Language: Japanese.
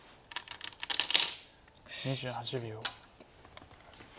２８秒。